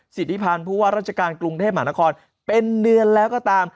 สิทธิพันธ์ผู้ว่าราชการกรุงเทพมหานครเป็นเดือนแล้วก็ตาม